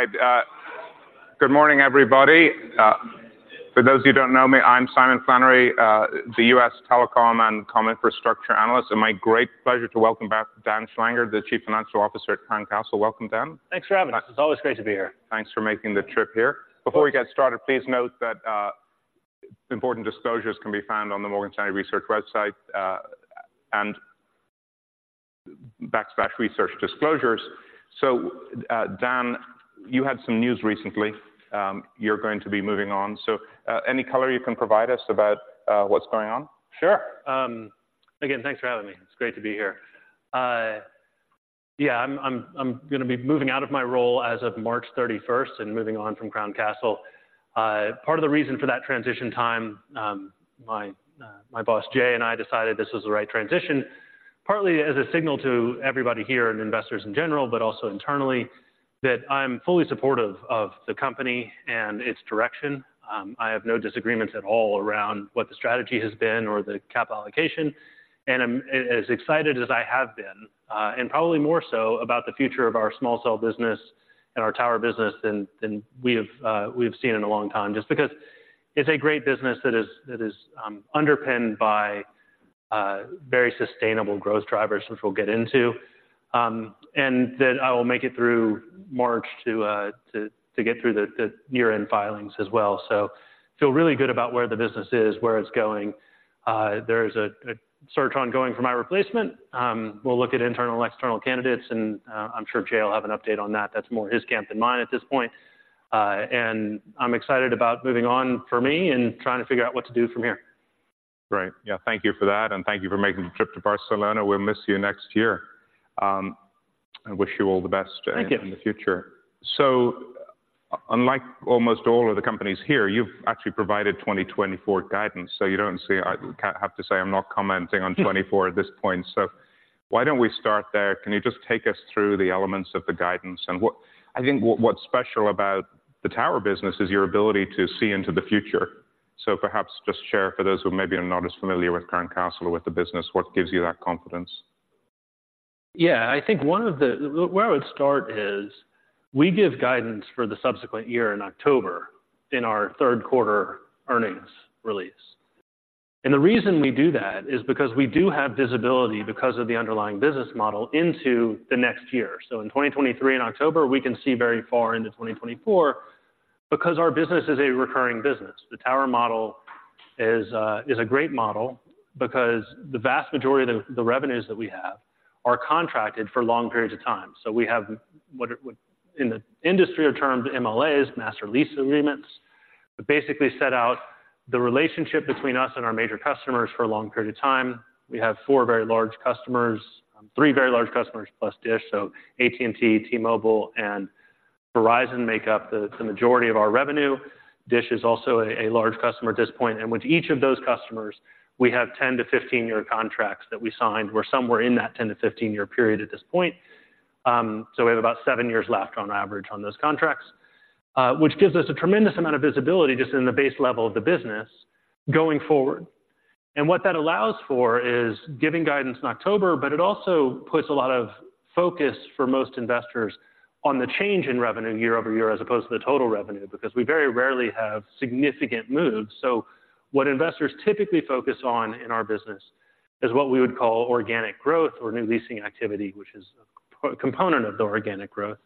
All right, good morning, everybody. For those who don't know me, I'm Simon Flannery, the U.S. telecom and communications infrastructure analyst, and my great pleasure to welcome back Dan Schlanger, the Chief Financial Officer at Crown Castle. Welcome, Dan. Thanks for having us. It's always great to be here. Thanks for making the trip here. Before we get started, please note that important disclosures can be found on the Morgan Stanley Research website, and backslash Research disclosures. Dan, you had some news recently. You're going to be moving on. Any color you can provide us about what's going on? Sure. Again, thanks for having me. It's great to be here. Yeah, I'm gonna be moving out of my role as of March 31st and moving on from Crown Castle. Part of the reason for that transition time, my boss, Jay, and I decided this was the right transition, partly as a signal to everybody here and investors in general, but also internally, that I'm fully supportive of the company and its direction. I have no disagreements at all around what the strategy has been or the cap allocation. I'm as excited as I have been, and probably more so about the future of our small cell business and our tower business than we have, we've seen in a long time, just because it's a great business that is underpinned by very sustainable growth drivers, which we'll get into, and that I will make it through March to get through the year-end filings as well. So feel really good about where the business is, where it's going. There is a search ongoing for my replacement. We'll look at internal and external candidates, and I'm sure Jay will have an update on that. That's more his camp than mine at this point. I'm excited about moving on for me and trying to figure out what to do from here. Great. Yeah, thank you for that, and thank you for making the trip to Barcelona. We'll miss you next year. I wish you all the best- Thank you... in the future. So unlike almost all of the companies here, you've actually provided 2024 guidance, so you don't see. I have to say, I'm not commenting on 2024 at this point. So why don't we start there? Can you just take us through the elements of the guidance? And what's special about the tower business is your ability to see into the future. So perhaps just share for those who maybe are not as familiar with Crown Castle or with the business, what gives you that confidence? Yeah, I think one of the... Where I would start is we give guidance for the subsequent year in October in our third quarter earnings release. The reason we do that is because we do have visibility because of the underlying business model into the next year. So in 2023, in October, we can see very far into 2024 because our business is a recurring business. The tower model is a great model because the vast majority of the revenues that we have are contracted for long periods of time. So we have what in the industry are termed MLAs, master lease agreements, that basically set out the relationship between us and our major customers for a long period of time. We have four very large customers, three very large customers, plus Dish, so AT&T, T-Mobile, and Verizon make up the majority of our revenue. Dish is also a large customer at this point, and with each of those customers, we have 10- to 15-year contracts that we signed. We're somewhere in that 10- to 15-year period at this point. So we have about seven years left on average on those contracts, which gives us a tremendous amount of visibility just in the base level of the business going forward. And what that allows for is giving guidance in October, but it also puts a lot of focus for most investors on the change in revenue year-over-year, as opposed to the total revenue, because we very rarely have significant moves. So what investors typically focus on in our business is what we would call organic growth or new leasing activity, which is a component of the organic growth.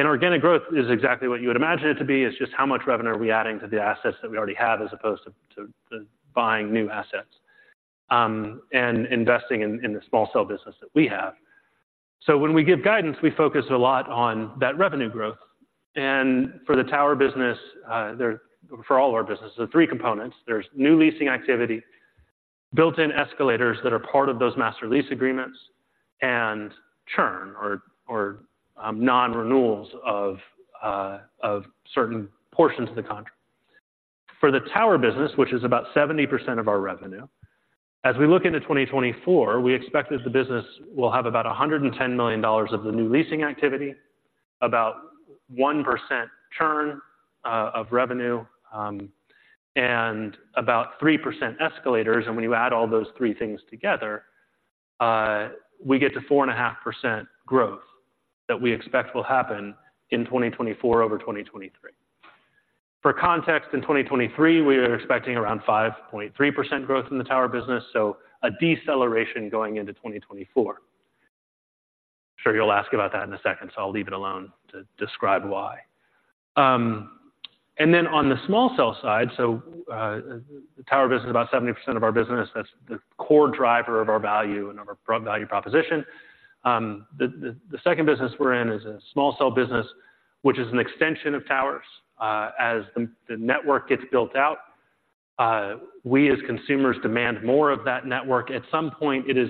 Organic growth is exactly what you would imagine it to be. It's just how much revenue are we adding to the assets that we already have, as opposed to buying new assets and investing in the small cell business that we have. So when we give guidance, we focus a lot on that revenue growth. For the tower business, for all of our business, there are three components. There's new leasing activity, built-in escalators that are part of those master lease agreements, and churn or non-renewals of certain portions of the contract. For the tower business, which is about 70% of our revenue, as we look into 2024, we expect that the business will have about $110 million of the new leasing activity, about 1% churn of revenue, and about 3% escalators. When you add all those three things together, we get to 4.5% growth that we expect will happen in 2024 over 2023. For context, in 2023, we are expecting around 5.3% growth in the tower business, so a deceleration going into 2024. Sure, you'll ask about that in a second, so I'll leave it alone to describe why. And then on the small cell side, so, the tower business is about 70% of our business. That's the core driver of our value and of our value proposition. The second business we're in is a small cell business, which is an extension of towers. As the network gets built out, we, as consumers, demand more of that network. At some point, it is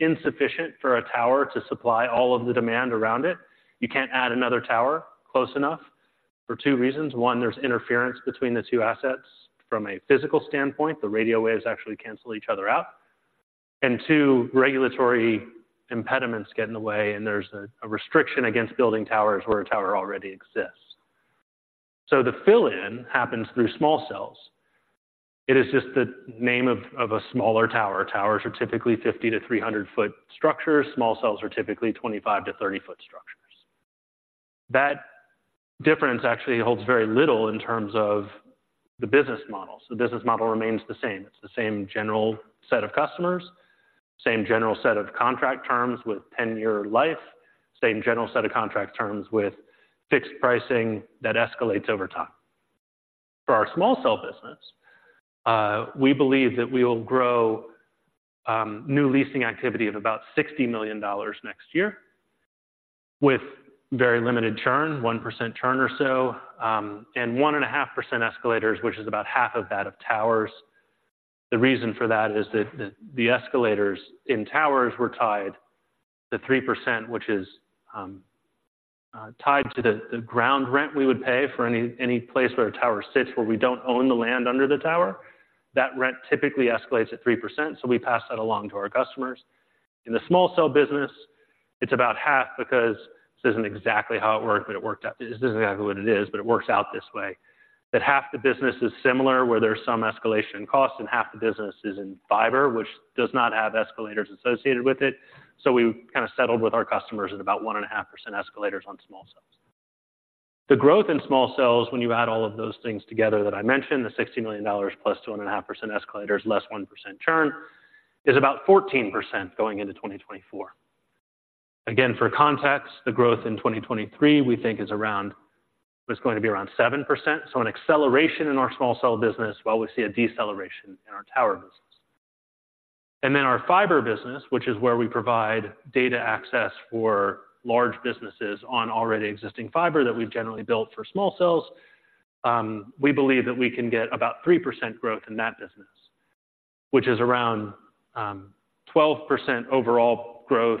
insufficient for a tower to supply all of the demand around it. You can't add another tower close enough for two reasons: one, there's interference between the two assets from a physical standpoint, the radio waves actually cancel each other out. And two, regulatory impediments get in the way, and there's a restriction against building towers where a tower already exists.... So the fill-in happens through small cells. It is just the name of a smaller tower. Towers are typically 50-300 ft structures. Small cells are typically 25-30 ft structures. That difference actually holds very little in terms of the business model. So the business model remains the same. It's the same general set of customers, same general set of contract terms with 10-year life, same general set of contract terms with fixed pricing that escalates over time. For our small cell business, we believe that we will grow new leasing activity of about $60 million next year, with very limited churn, 1% churn or so, and 1.5% escalators, which is about half of that of towers. The reason for that is that the escalators in towers were tied to 3%, which is tied to the ground rent we would pay for any place where a tower sits, where we don't own the land under the tower. That rent typically escalates at 3%, so we pass that along to our customers. In the small cell business, it's about half because this isn't exactly how it worked, but it worked out. This isn't exactly what it is, but it works out this way, that half the business is similar, where there's some escalation in costs, and half the business is in fiber, which does not have escalators associated with it. So we kind of settled with our customers at about 1.5% escalators on small cells. The growth in small cells, when you add all of those things together that I mentioned, the $60 million plus 2.5% escalators, less 1% churn, is about 14% going into 2024. Again, for context, the growth in 2023, we think, is going to be around 7%. So an acceleration in our small cell business, while we see a deceleration in our tower business. And then our fiber business, which is where we provide data access for large businesses on already existing fiber that we've generally built for small cells, we believe that we can get about 3% growth in that business, which is around 12% overall growth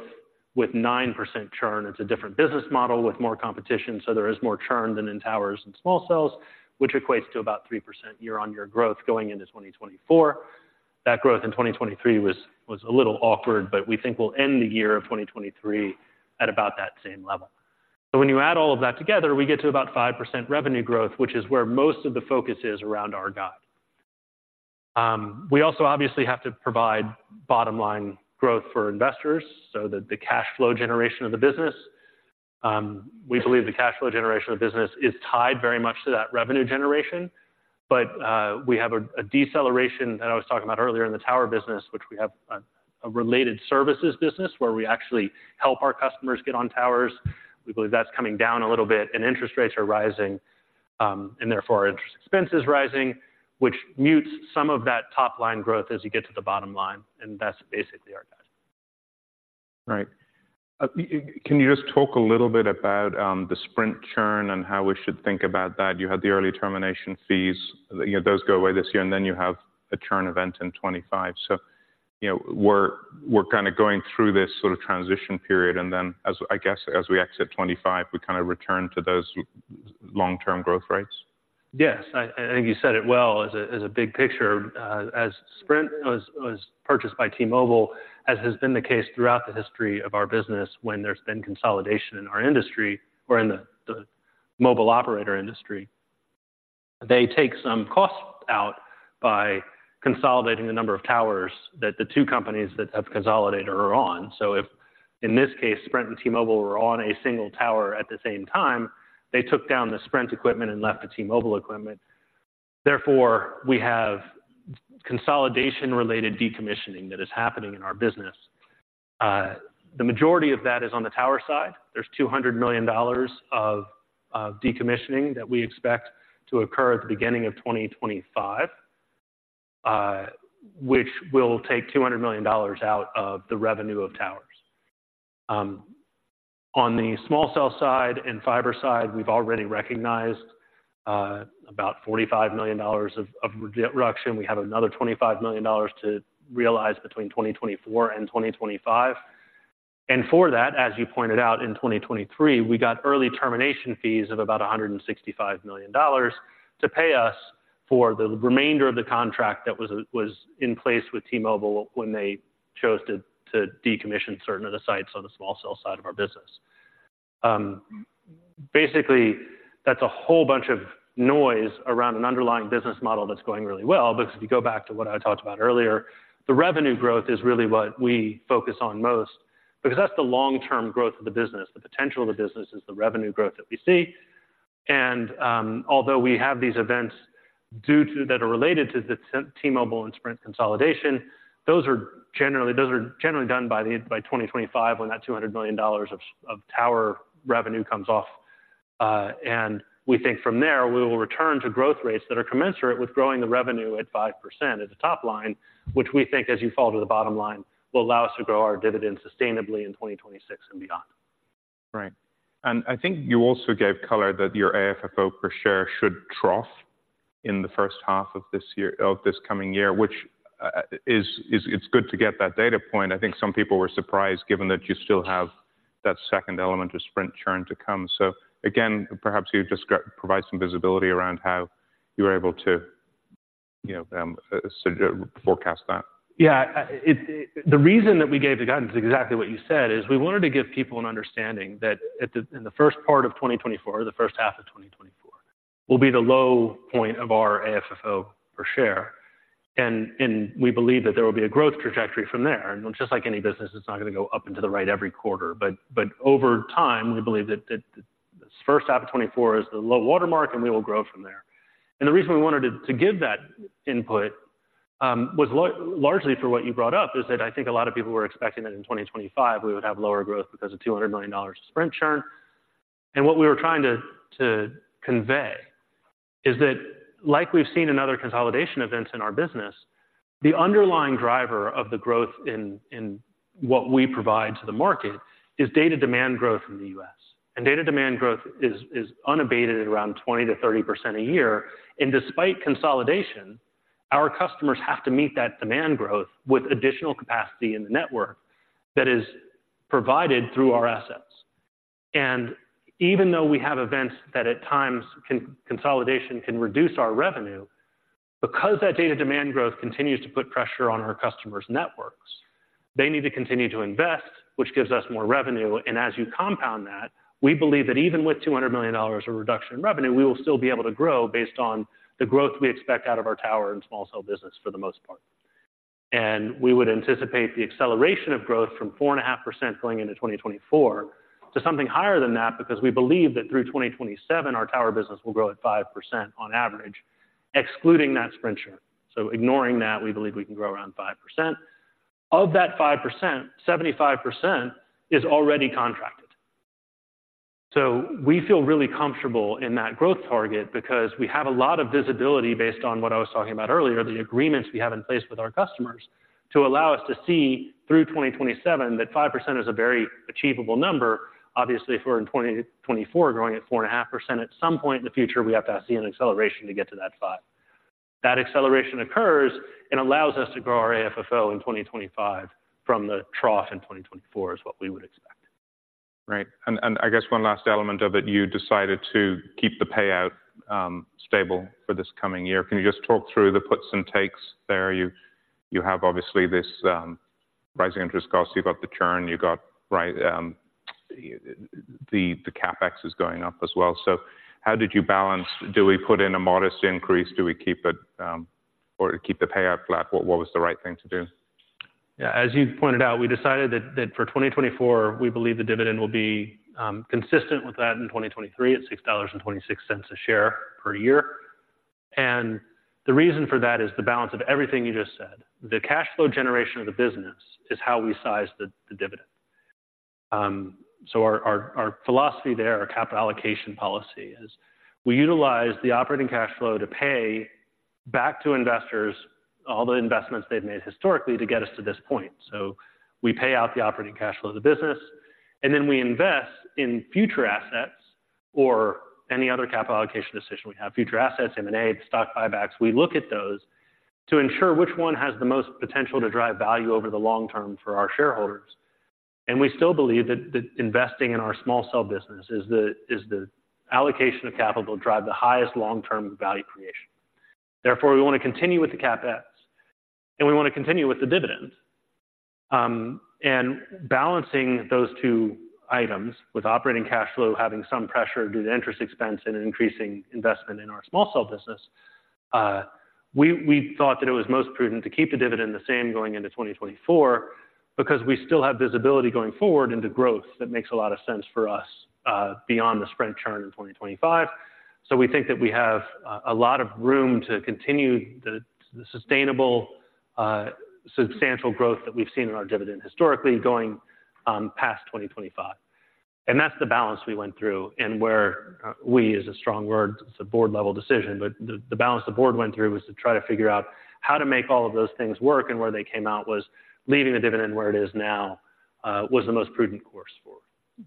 with 9% churn. It's a different business model with more competition, so there is more churn than in towers and small cells, which equates to about 3% year-on-year growth going into 2024. That growth in 2023 was a little awkward, but we think we'll end the year of 2023 at about that same level. So when you add all of that together, we get to about 5% revenue growth, which is where most of the focus is around our guide. We also obviously have to provide bottom-line growth for investors so that the cash flow generation of the business, we believe the cash flow generation of the business is tied very much to that revenue generation. But we have a deceleration that I was talking about earlier in the tower business, which we have a related services business where we actually help our customers get on towers. We believe that's coming down a little bit, and interest rates are rising, and therefore our interest expense is rising, which mutes some of that top-line growth as you get to the bottom line, and that's basically our guide. Right. Can you just talk a little bit about, the Sprint churn and how we should think about that? You had the early termination fees. You know, those go away this year, and then you have a churn event in 2025. So, you know, we're, we're kind of going through this sort of transition period, and then as, I guess, as we exit 2025, we kind of return to those long-term growth rates. Yes. I think you said it well as a big picture. As Sprint was purchased by T-Mobile, as has been the case throughout the history of our business when there's been consolidation in our industry or in the mobile operator industry, they take some costs out by consolidating the number of towers that the two companies that have consolidated are on. So if, in this case, Sprint and T-Mobile were on a single tower at the same time, they took down the Sprint equipment and left the T-Mobile equipment. Therefore, we have consolidation-related decommissioning that is happening in our business. The majority of that is on the tower side. There's $200 million of decommissioning that we expect to occur at the beginning of 2025, which will take $200 million out of the revenue of towers. On the small cell side and fiber side, we've already recognized about $45 million of reduction. We have another $25 million to realize between 2024 and 2025. And for that, as you pointed out, in 2023, we got early termination fees of about $165 million to pay us for the remainder of the contract that was in place with T-Mobile when they chose to decommission certain of the sites on the small cell side of our business. Basically, that's a whole bunch of noise around an underlying business model that's going really well. Because if you go back to what I talked about earlier, the revenue growth is really what we focus on most, because that's the long-term growth of the business. The potential of the business is the revenue growth that we see. Although we have these events that are related to the T-Mobile and Sprint consolidation, those are generally done by 2025, when that $200 million of tower revenue comes off. And we think from there, we will return to growth rates that are commensurate with growing the revenue at 5% at the top line, which we think, as you fall to the bottom line, will allow us to grow our dividend sustainably in 2026 and beyond. Right. And I think you also gave color that your AFFO per share should trough in the first half of this year of this coming year, which is—it's good to get that data point. I think some people were surprised, given that you still have that second element of Sprint churn to come. So again, perhaps you just provide some visibility around how you are able to, you know, so forecast that? Yeah, the reason that we gave the guidance is exactly what you said, is we wanted to give people an understanding that in the first part of 2024, or the first half of 2024, will be the low point of our AFFO per share. And we believe that there will be a growth trajectory from there. And just like any business, it's not going to go up into the right every quarter. But over time, we believe that this first half of 2024 is the low water mark and we will grow from there. And the reason we wanted to give that input was largely for what you brought up, is that I think a lot of people were expecting that in 2025 we would have lower growth because of $200 million of Sprint churn. And what we were trying to convey is that, like we've seen in other consolidation events in our business, the underlying driver of the growth in what we provide to the market is data demand growth in the U.S. And data demand growth is unabated at around 20%-30% a year, and despite consolidation, our customers have to meet that demand growth with additional capacity in the network that is provided through our assets. Even though we have events that at times consolidation can reduce our revenue, because that data demand growth continues to put pressure on our customers' networks, they need to continue to invest, which gives us more revenue. As you compound that, we believe that even with $200 million of reduction in revenue, we will still be able to grow based on the growth we expect out of our tower and small cell business for the most part. We would anticipate the acceleration of growth from 4.5% going into 2024 to something higher than that, because we believe that through 2027, our tower business will grow at 5% on average, excluding that Sprint churn. So ignoring that, we believe we can grow around 5%. Of that 5%, 75% is already contracted. So we feel really comfortable in that growth target because we have a lot of visibility based on what I was talking about earlier, the agreements we have in place with our customers, to allow us to see through 2027 that 5% is a very achievable number. Obviously, if we're in 2024, growing at 4.5%, at some point in the future, we have to see an acceleration to get to that 5%. That acceleration occurs and allows us to grow our AFFO in 2025 from the trough in 2024, is what we would expect. Right. And I guess one last element of it, you decided to keep the payout stable for this coming year. Can you just talk through the puts and takes there? You have obviously this rising interest cost, you've got the churn, you got right, the CapEx is going up as well. So how did you balance? Do we put in a modest increase? Do we keep it or keep the payout flat? What was the right thing to do? Yeah, as you pointed out, we decided that for 2024, we believe the dividend will be consistent with that in 2023 at $6.26 a share per year. And the reason for that is the balance of everything you just said. The cash flow generation of the business is how we size the dividend. So our philosophy there, our capital allocation policy, is we utilize the operating cash flow to pay back to investors all the investments they've made historically to get us to this point. So we pay out the operating cash flow of the business, and then we invest in future assets or any other capital allocation decision. We have future assets, M&A, stock buybacks. We look at those to ensure which one has the most potential to drive value over the long term for our shareholders. And we still believe that investing in our small cell business is the allocation of capital to drive the highest long-term value creation. Therefore, we want to continue with the CapEx, and we want to continue with the dividend. And balancing those two items with operating cash flow, having some pressure due to interest expense and an increasing investment in our small cell business, we thought that it was most prudent to keep the dividend the same going into 2024 because we still have visibility going forward into growth that makes a lot of sense for us, beyond the Sprint churn in 2025. So we think that we have a lot of room to continue the sustainable, substantial growth that we've seen in our dividend historically going past 2025. That's the balance we went through and where we use a strong word, it's a board-level decision, but the balance the board went through was to try to figure out how to make all of those things work, and where they came out was leaving the dividend where it is now was the most prudent course forward.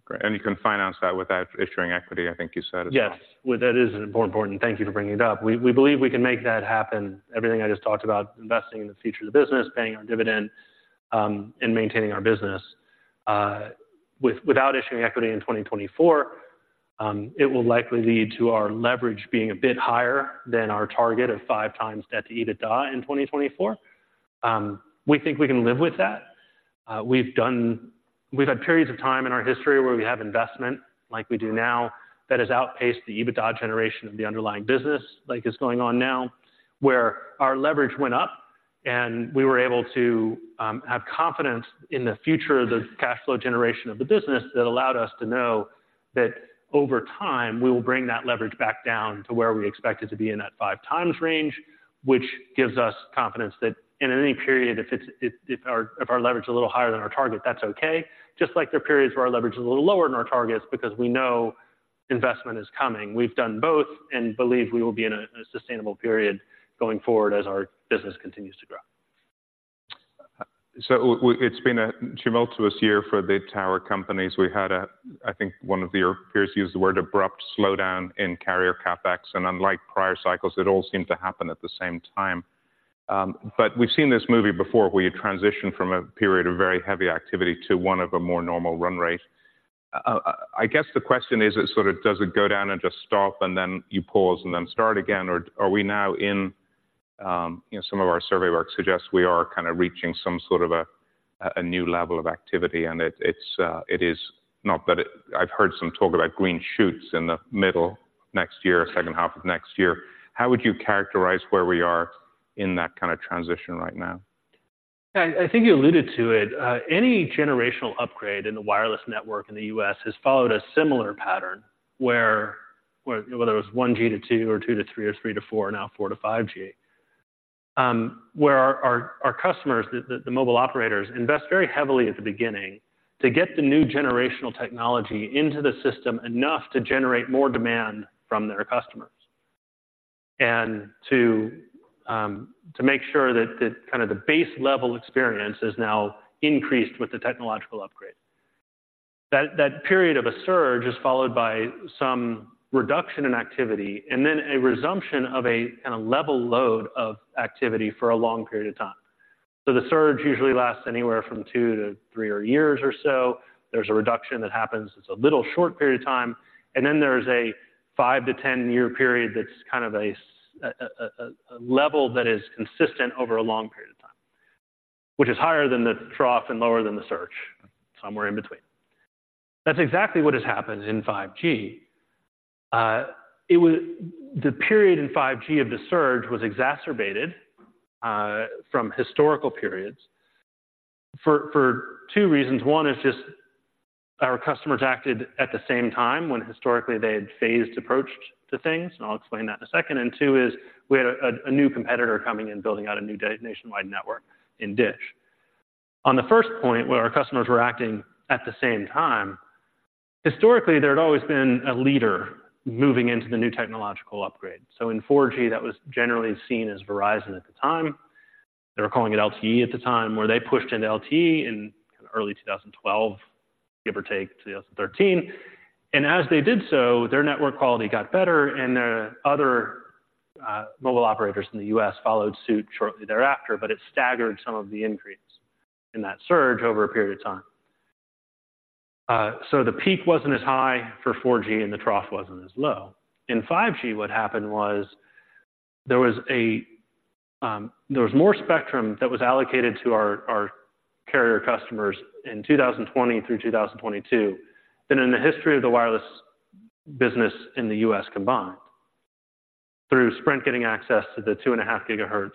Great. And you can finance that without issuing equity, I think you said as well. Yes, well, that is more important. Thank you for bringing it up. We, we believe we can make that happen. Everything I just talked about, investing in the future of the business, paying our dividend, and maintaining our business, without issuing equity in 2024, it will likely lead to our leverage being a bit higher than our target of 5x debt to EBITDA in 2024. We think we can live with that. We've done—we've had periods of time in our history where we have investment, like we do now, that has outpaced the EBITDA generation of the underlying business, like is going on now, where our leverage went up and we were able to have confidence in the future of the cash flow generation of the business that allowed us to know that over time, we will bring that leverage back down to where we expect it to be in that 5x range, which gives us confidence that in any period, if our leverage is a little higher than our target, that's okay. Just like there are periods where our leverage is a little lower than our targets because we know investment is coming. We've done both and believe we will be in a sustainable period going forward as our business continues to grow. So it's been a tumultuous year for the tower companies. We had a, I think one of your peers used the word abrupt slowdown in carrier CapEx, and unlike prior cycles, it all seemed to happen at the same time. But we've seen this movie before, where you transition from a period of very heavy activity to one of a more normal run rate. I guess the question is, it sort of, does it go down and just stop, and then you pause and then start again? Or are we now in, you know, some of our survey work suggests we are kind of reaching some sort of a new level of activity, and it's not that it— I've heard some talk about green shoots in the middle of next year, second half of next year. How would you characterize where we are in that kind of transition right now? I think you alluded to it. Any generational upgrade in the wireless network in the U.S. has followed a similar pattern, where whether it was 1G to 2G or 2G to 3G, or 3G to 4G, now 4G to 5G. Where our customers, the mobile operators, invest very heavily at the beginning to get the new generational technology into the system enough to generate more demand from their customers. And to to make sure that the kind of the base-level experience is now increased with the technological upgrade. That period of a surge is followed by some reduction in activity and then a resumption of a kind of level load of activity for a long period of time. So the surge usually lasts anywhere from two-three years or so. There's a reduction that happens. It's a little short period of time, and then there's a five to 10-year period that's kind of a level that is consistent over a long period of time, which is higher than the trough and lower than the surge, somewhere in between. That's exactly what has happened in 5G. It was the period in 5G of the surge was exacerbated from historical periods for two reasons. One is just our customers acted at the same time when historically they had phased approach to things, and I'll explain that in a second. And two is we had a new competitor coming in, building out a new DAS nationwide network in Dish. On the first point, where our customers were acting at the same time, historically, there had always been a leader moving into the new technological upgrade. So in 4G, that was generally seen as Verizon at the time. They were calling it LTE at the time, where they pushed into LTE in early 2012, give or take, to 2013. And as they did so, their network quality got better, and the other, mobile operators in the U.S. followed suit shortly thereafter. But it staggered some of the increase in that surge over a period of time. So the peak wasn't as high for 4G, and the trough wasn't as low. In 5G, what happened was there was more spectrum that was allocated to our carrier customers in 2020 through 2022 than in the history of the wireless business in the U.S. combined. Through Sprint getting access to the 2.5 GHz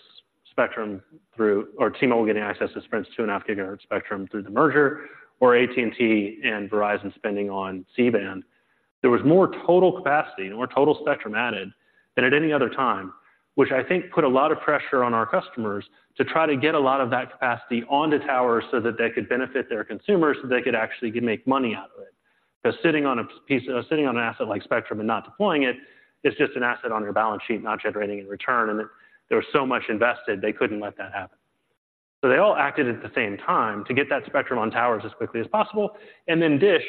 spectrum, through or T-Mobile getting access to Sprint's 2.5 GHz spectrum through the merger, or AT&T and Verizon spending on C-band. There was more total capacity, more total spectrum added than at any other time, which I think put a lot of pressure on our customers to try to get a lot of that capacity on the tower so that they could benefit their consumers, so they could actually make money out of it. Because sitting on an asset like spectrum and not deploying it, is just an asset on your balance sheet, not generating any return, and there was so much invested, they couldn't let that happen. So they all acted at the same time to get that spectrum on towers as quickly as possible. Then Dish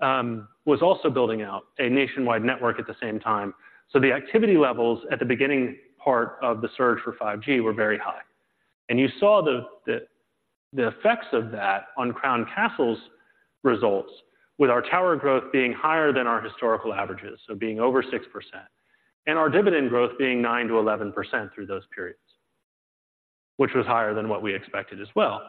was also building out a nationwide network at the same time. The activity levels at the beginning part of the surge for 5G were very high. You saw the effects of that on Crown Castle's results, with our tower growth being higher than our historical averages, so being over 6%, and our dividend growth being 9%-11% through those periods, which was higher than what we expected as well.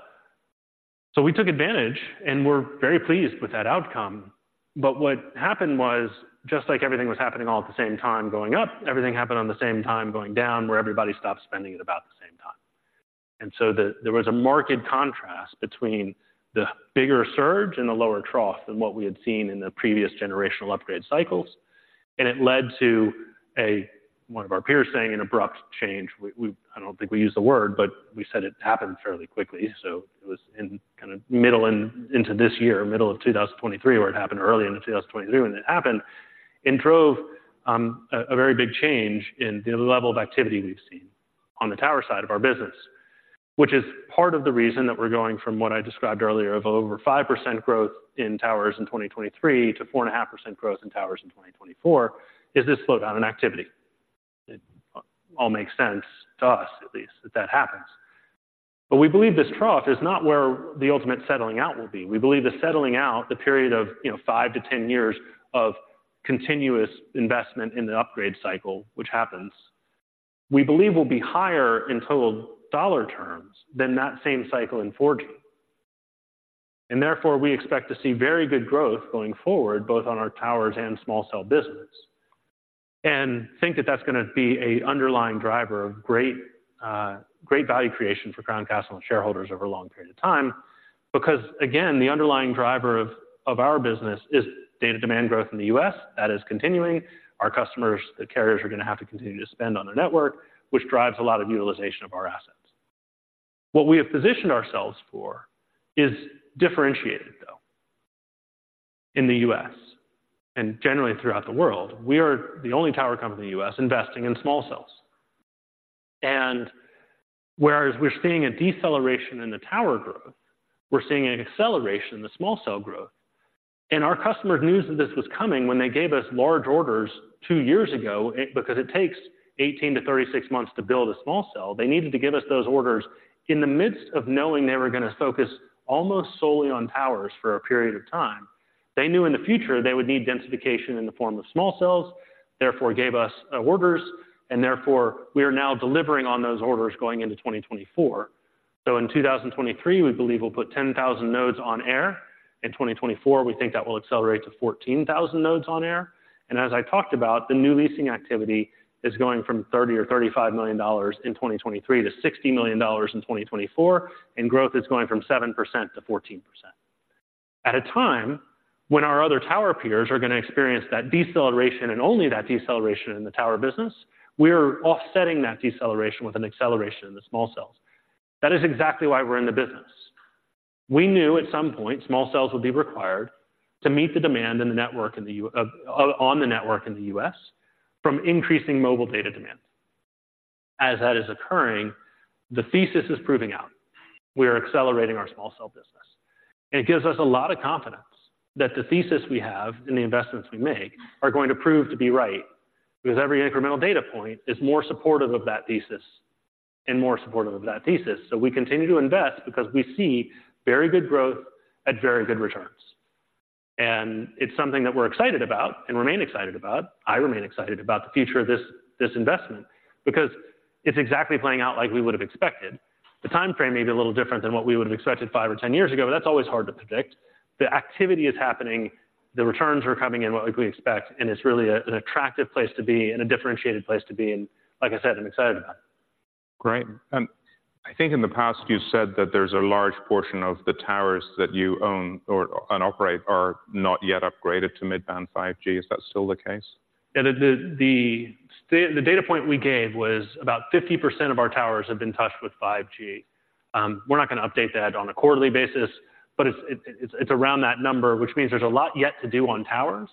We took advantage, and we're very pleased with that outcome. But what happened was, just like everything was happening all at the same time going up, everything happened on the same time going down, where everybody stopped spending at about the same time. There was a marked contrast between the bigger surge and the lower trough than what we had seen in the previous generational upgrade cycles. And it led to one of our peers saying an abrupt change. We, I don't think we used the word, but we said it happened fairly quickly. So it was in kind of middle and into this year, middle of 2023, where it happened early in 2023, and it happened and drove a very big change in the level of activity we've seen on the tower side of our business. Which is part of the reason that we're going from what I described earlier of over 5% growth in towers in 2023 to 4.5% growth in towers in 2024, is this slowdown in activity. It all makes sense to us, at least, that that happens. But we believe this trough is not where the ultimate settling out will be. We believe the settling out, the period of, you know, five to 10 years of continuous investment in the upgrade cycle, which happens, we believe will be higher in total dollar terms than that same cycle in 4G. And therefore, we expect to see very good growth going forward, both on our towers and small cell business. And think that that's going to be a underlying driver of great, great value creation for Crown Castle shareholders over a long period of time. Because, again, the underlying driver of, of our business is data demand growth in the U.S. That is continuing. Our customers, the carriers, are going to have to continue to spend on their network, which drives a lot of utilization of our assets. What we have positioned ourselves for is differentiated, though, in the U.S. and generally throughout the world. We are the only tower company in the U.S. investing in small cells. And whereas we're seeing a deceleration in the tower growth, we're seeing an acceleration in the small cell growth. And our customers knew that this was coming when they gave us large orders two years ago, because it takes 18-36 months to build a small cell. They needed to give us those orders in the midst of knowing they were going to focus almost solely on towers for a period of time.... They knew in the future they would need densification in the form of small cells, therefore gave us orders, and therefore we are now delivering on those orders going into 2024. So in 2023, we believe we'll put 10,000 nodes on air. In 2024, we think that will accelerate to 14,000 nodes on air. And as I talked about, the new leasing activity is going from $30 million-$35 million in 2023 to $60 million in 2024, and growth is going from 7% to 14%. At a time when our other tower peers are going to experience that deceleration and only that deceleration in the tower business, we're offsetting that deceleration with an acceleration in the small cells. That is exactly why we're in the business. We knew at some point small cells would be required to meet the demand in the U.S., on the network in the U.S. from increasing mobile data demands. As that is occurring, the thesis is proving out. We are accelerating our small cell business. It gives us a lot of confidence that the thesis we have and the investments we make are going to prove to be right, because every incremental data point is more supportive of that thesis and more supportive of that thesis. So we continue to invest because we see very good growth at very good returns. And it's something that we're excited about and remain excited about. I remain excited about the future of this investment because it's exactly playing out like we would have expected. The time frame may be a little different than what we would have expected five or 10 years ago, but that's always hard to predict. The activity is happening, the returns are coming in what we expect, and it's really an attractive place to be and a differentiated place to be, and like I said, I'm excited about it. Great. And I think in the past, you said that there's a large portion of the towers that you own and operate are not yet upgraded to mid-band 5G. Is that still the case? Yeah, the data point we gave was about 50% of our towers have been touched with 5G. We're not going to update that on a quarterly basis, but it's around that number, which means there's a lot yet to do on towers,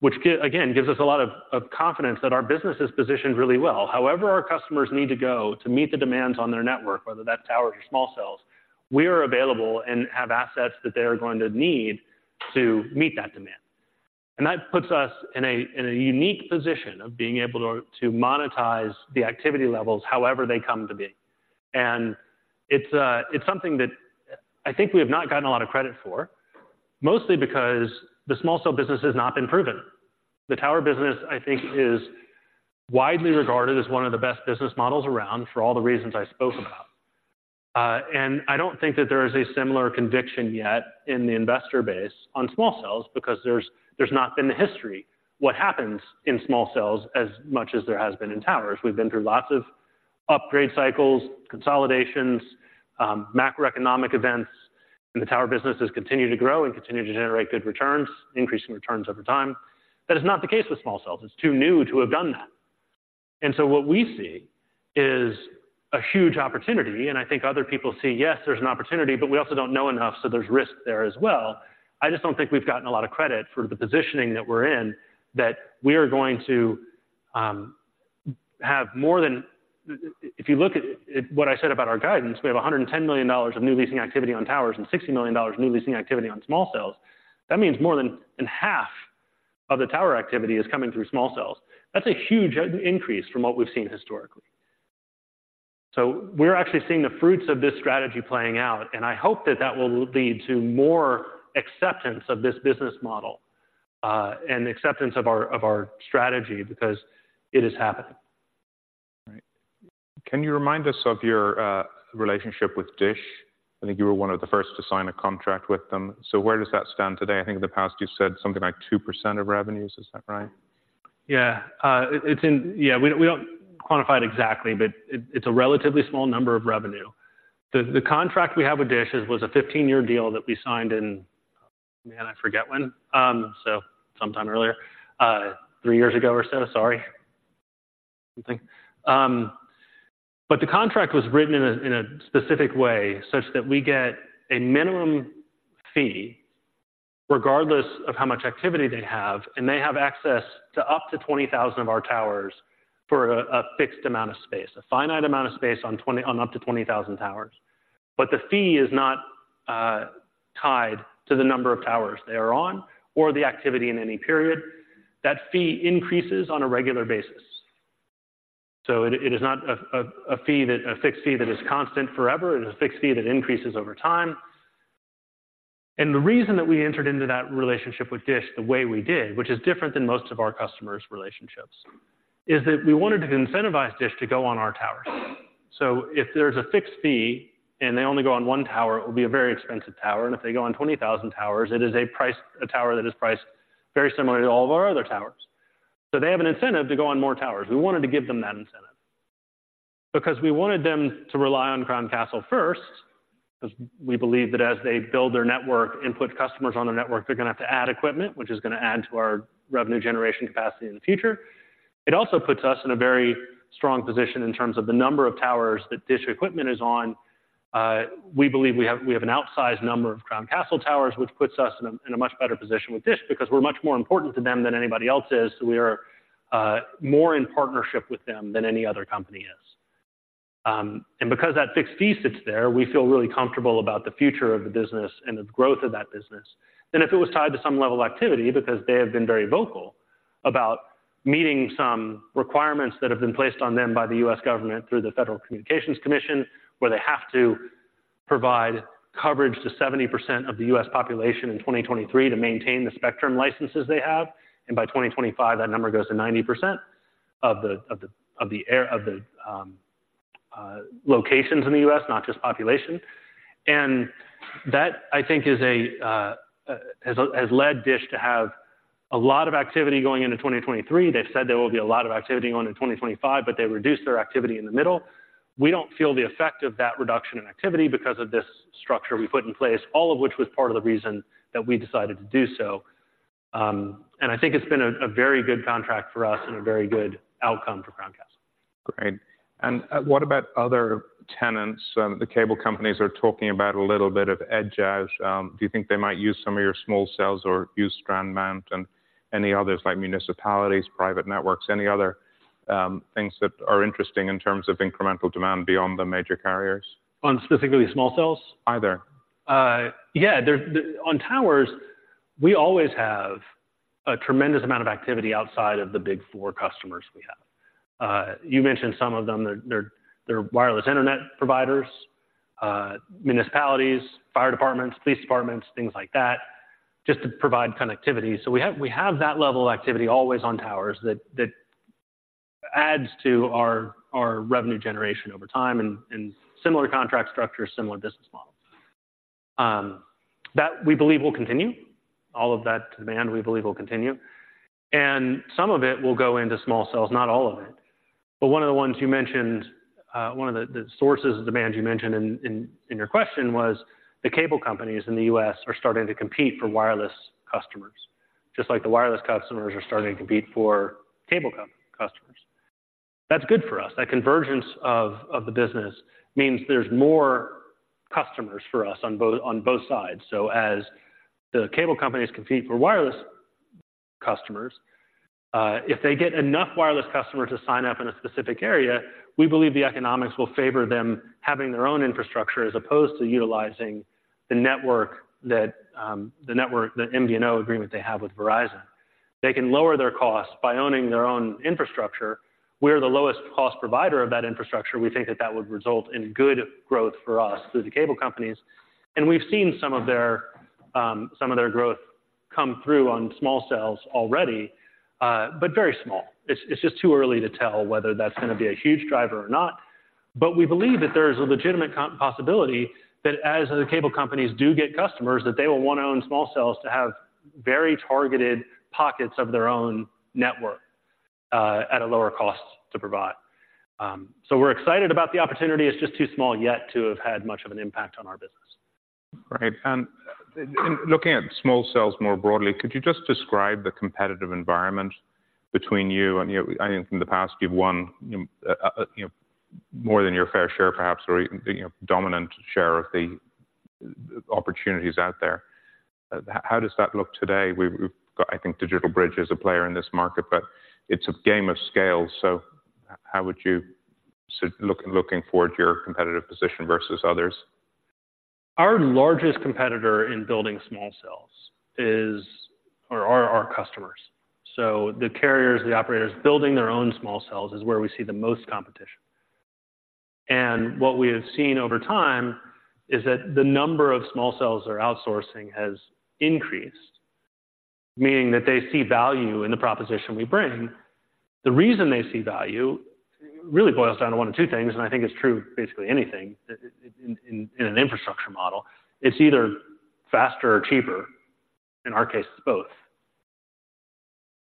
which again gives us a lot of confidence that our business is positioned really well. However, our customers need to go to meet the demands on their network, whether that's towers or small cells, we are available and have assets that they are going to need to meet that demand. And that puts us in a unique position of being able to monetize the activity levels however they come to be. It's something that I think we have not gotten a lot of credit for, mostly because the small cell business has not been proven. The tower business, I think, is widely regarded as one of the best business models around for all the reasons I spoke about. I don't think that there is a similar conviction yet in the investor base on small cells, because there's not been the history, what happens in small cells as much as there has been in towers. We've been through lots of upgrade cycles, consolidations, macroeconomic events, and the tower businesses continue to grow and continue to generate good returns, increasing returns over time. That is not the case with small cells. It's too new to have done that. So what we see is a huge opportunity, and I think other people see, yes, there's an opportunity, but we also don't know enough, so there's risk there as well. I just don't think we've gotten a lot of credit for the positioning that we're in, that we are going to have more than... If you look at what I said about our guidance, we have $110 million of new leasing activity on towers and $60 million new leasing activity on small cells. That means more than half of the tower activity is coming through small cells. That's a huge increase from what we've seen historically. We're actually seeing the fruits of this strategy playing out, and I hope that that will lead to more acceptance of this business model, and acceptance of our strategy because it is happening. Right. Can you remind us of your relationship with Dish? I think you were one of the first to sign a contract with them. Where does that stand today? I think in the past you said something like 2% of revenues. Is that right? Yeah, it's-- yeah, we don't quantify it exactly, but it's a relatively small number of revenue. The contract we have with Dish was a 15-year deal that we signed in... Man, I forget when. So sometime earlier, three years ago or so, sorry. Something. But the contract was written in a specific way such that we get a minimum fee regardless of how much activity they have, and they have access to up to 20,000 of our towers for a fixed amount of space, a finite amount of space on up to 20,000 towers. But the fee is not tied to the number of towers they are on or the activity in any period. That fee increases on a regular basis. So it is not a fixed fee that is constant forever, it is a fixed fee that increases over time. The reason that we entered into that relationship with Dish the way we did, which is different than most of our customers' relationships, is that we wanted to incentivize Dish to go on our towers. So if there's a fixed fee and they only go on one tower, it will be a very expensive tower, and if they go on 20,000 towers, it is a tower that is priced very similarly to all of our other towers. So they have an incentive to go on more towers. We wanted to give them that incentive because we wanted them to rely on Crown Castle first, because we believe that as they build their network and put customers on their network, they're going to have to add equipment, which is going to add to our revenue generation capacity in the future. It also puts us in a very strong position in terms of the number of towers that Dish equipment is on. We believe we have an outsized number of Crown Castle towers, which puts us in a much better position with Dish because we're much more important to them than anybody else is. So we are more in partnership with them than any other company is. Because that fixed fee sits there, we feel really comfortable about the future of the business and the growth of that business than if it was tied to some level of activity, because they have been very vocal about meeting some requirements that have been placed on them by the U.S. government through the Federal Communications Commission, where they have to provide coverage to 70% of the U.S. population in 2023 to maintain the spectrum licenses they have. And by 2025, that number goes to 90% of the locations in the U.S., not just population. And that, I think, has led Dish to have a lot of activity going into 2023. They've said there will be a lot of activity going in 2025, but they reduced their activity in the middle. We don't feel the effect of that reduction in activity because of this structure we put in place, all of which was part of the reason that we decided to do so. And I think it's been a very good contract for us and a very good outcome for Crown Castle. Great. And what about other tenants? The cable companies are talking about a little bit of edge, do you think they might use some of your small cells or use strand mount and any others, like municipalities, private networks, any other things that are interesting in terms of incremental demand beyond the major carriers? On specifically small cells? Either. Yeah, they're on towers, we always have a tremendous amount of activity outside of the big four customers we have. You mentioned some of them. They're wireless internet providers, municipalities, fire departments, police departments, things like that, just to provide connectivity. So we have that level of activity always on towers that adds to our revenue generation over time and similar contract structure, similar business models that we believe will continue. All of that demand, we believe, will continue, and some of it will go into small cells, not all of it. But one of the ones you mentioned, one of the sources of demand you mentioned in your question was the cable companies in the U.S. are starting to compete for wireless customers, just like the wireless customers are starting to compete for cable company customers. That's good for us. That convergence of the business means there's more customers for us on both sides. So as the cable companies compete for wireless customers, if they get enough wireless customers to sign up in a specific area, we believe the economics will favor them having their own infrastructure as opposed to utilizing the network, the MVNO agreement they have with Verizon. They can lower their costs by owning their own infrastructure. We're the lowest cost provider of that infrastructure. We think that that would result in good growth for us through the cable companies, and we've seen some of their growth come through on small cells already, but very small. It's just too early to tell whether that's gonna be a huge driver or not, but we believe that there is a legitimate possibility that as the cable companies do get customers, that they will want to own small cells to have very targeted pockets of their own network, at a lower cost to provide. So we're excited about the opportunity. It's just too small yet to have had much of an impact on our business. Right. And in looking at small cells more broadly, could you just describe the competitive environment between you and, you know, I think in the past, you've won, you know, more than your fair share, perhaps, or even, you know, dominant share of the opportunities out there? How does that look today? We've got, I think, DigitalBridge is a player in this market, but it's a game of scale. So how would you look looking forward to your competitive position versus others? Our largest competitor in building small cells is our customers. So the carriers, the operators, building their own small cells is where we see the most competition. And what we have seen over time is that the number of small cells they're outsourcing has increased, meaning that they see value in the proposition we bring. The reason they see value really boils down to one of two things, and I think it's true, basically, anything in an infrastructure model, it's either faster or cheaper. In our case, it's both.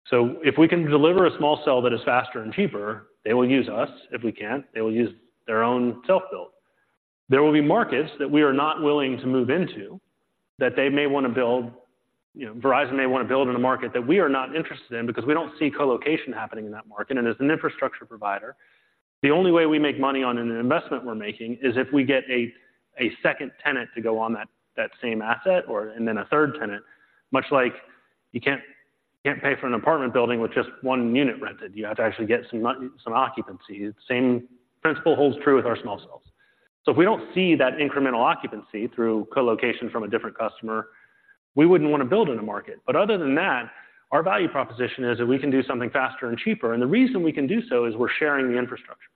So if we can deliver a small cell that is faster and cheaper, they will use us. If we can't, they will use their own self-built. There will be markets that we are not willing to move into, that they may wanna build, you know, Verizon may want to build in a market that we are not interested in because we don't see colocation happening in that market. As an infrastructure provider, the only way we make money on an investment we're making is if we get a second tenant to go on that same asset and then a third tenant, much like you can't pay for an apartment building with just one unit rented. You have to actually get some occupancy. Same principle holds true with our small cells. So if we don't see that incremental occupancy through colocation from a different customer, we wouldn't want to build in a market. But other than that, our value proposition is that we can do something faster and cheaper, and the reason we can do so is we're sharing the infrastructure.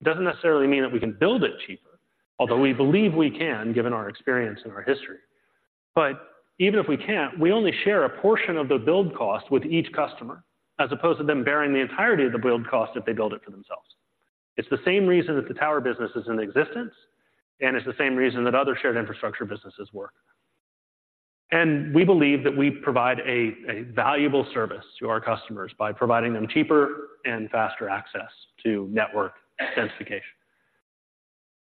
It doesn't necessarily mean that we can build it cheaper, although we believe we can, given our experience and our history. But even if we can't, we only share a portion of the build cost with each customer, as opposed to them bearing the entirety of the build cost if they build it for themselves. It's the same reason that the tower business is in existence, and it's the same reason that other shared infrastructure businesses work. And we believe that we provide a valuable service to our customers by providing them cheaper and faster access to network densification.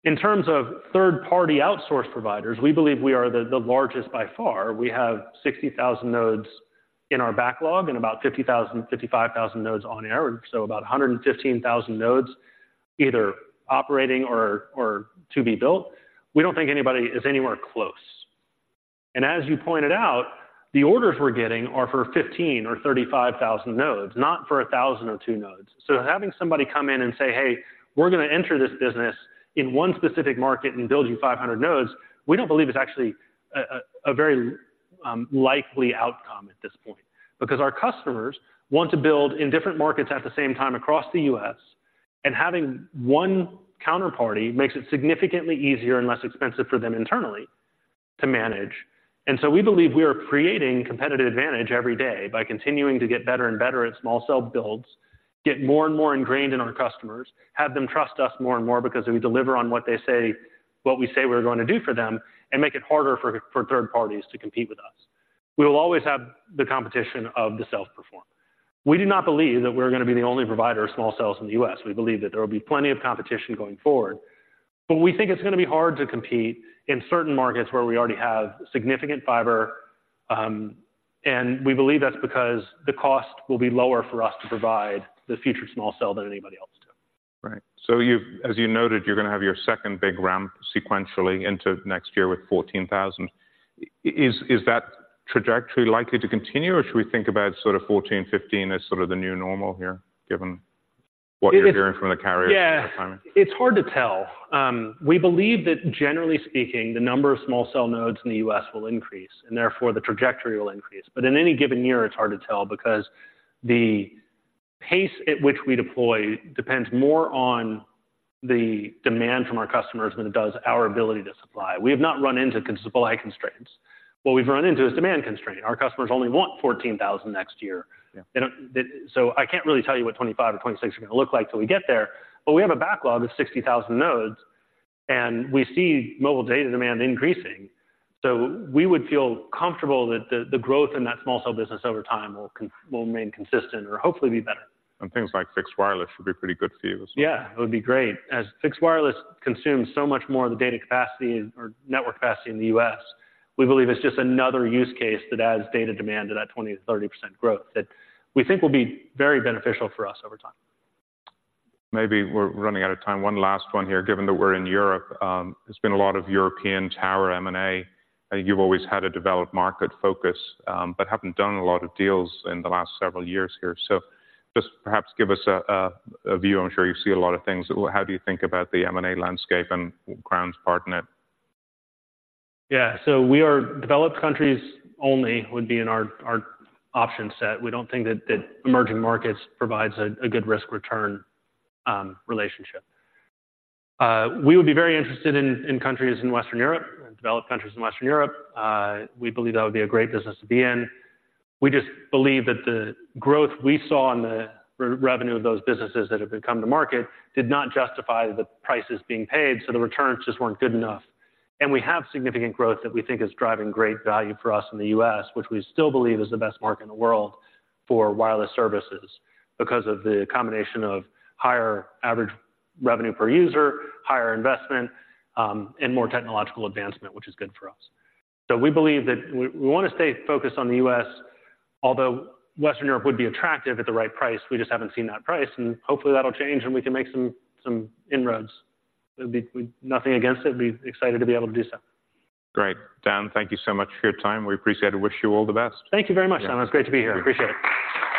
In terms of third-party outsource providers, we believe we are the largest by far. We have 60,000 nodes in our backlog and about 50,000, 55,000 nodes on average, so about 115,000 nodes either operating or to be built. We don't think anybody is anywhere close. As you pointed out, the orders we're getting are for 15 or 35,000 nodes, not for 1,000 or two nodes. Having somebody come in and say, "Hey, we're gonna enter this business in one specific market and build you 500 nodes," we don't believe it's actually a very likely outcome at this point, because our customers want to build in different markets at the same time across the U.S. and having one counterparty makes it significantly easier and less expensive for them internally to manage. And so we believe we are creating competitive advantage every day by continuing to get better and better at small cell builds, get more and more ingrained in our customers, have them trust us more and more because we deliver on what they say, what we say we're going to do for them, and make it harder for third parties to compete with us. We will always have the competition of the self-performer. We do not believe that we're going to be the only provider of small cells in the U.S. We believe that there will be plenty of competition going forward, but we think it's going to be hard to compete in certain markets where we already have significant fiber, and we believe that's because the cost will be lower for us to provide the future small cell than anybody else do. Right. So you've, as you noted, you're going to have your second big ramp sequentially into next year with 14,000. Is that trajectory likely to continue, or should we think about sort of 14, 15 as sort of the new normal here, given what you're hearing from the carriers at the time? Yeah, it's hard to tell. We believe that generally speaking, the number of small cell nodes in the U.S. will increase, and therefore the trajectory will increase. But in any given year, it's hard to tell because the pace at which we deploy depends more on the demand from our customers than it does our ability to supply. We have not run into supply constraints. What we've run into is demand constraint. Our customers only want 14,000 next year. Yeah. So I can't really tell you what 25 or 26 are going to look like till we get there, but we have a backlog of 60,000 nodes, and we see mobile data demand increasing. So we would feel comfortable that the growth in that small cell business over time will remain consistent or hopefully be better. Things like fixed wireless should be pretty good for you as well. Yeah, it would be great. As fixed wireless consumes so much more of the data capacity or network capacity in the U.S., we believe it's just another use case that adds data demand to that 20%-30% growth that we think will be very beneficial for us over time. Maybe we're running out of time. One last one here, given that we're in Europe, there's been a lot of European tower M&A. I think you've always had a developed market focus, but haven't done a lot of deals in the last several years here. So just perhaps give us a view. I'm sure you see a lot of things. How do you think about the M&A landscape and Crown's part in it? Yeah. So we are developed countries only would be in our option set. We don't think that emerging markets provides a good risk return relationship. We would be very interested in countries in Western Europe, developed countries in Western Europe. We believe that would be a great business to be in. We just believe that the growth we saw in the revenue of those businesses that have come to market did not justify the prices being paid, so the returns just weren't good enough. And we have significant growth that we think is driving great value for us in the U.S., which we still believe is the best market in the world for wireless services, because of the combination of higher average revenue per user, higher investment, and more technological advancement, which is good for us. So we believe that we want to stay focused on the U.S., although Western Europe would be attractive at the right price. We just haven't seen that price, and hopefully, that'll change, and we can make some inroads. There'll be nothing against it. We'd be excited to be able to do so. Great. Dan, thank you so much for your time. We appreciate it. Wish you all the best. Thank you very much, Simon. It's great to be here. I appreciate it.